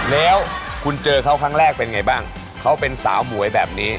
แล้วคุณเจอเขาครั้งแรกเป็นไงบ้างเขาเป็นสาวหมวยแบบนี้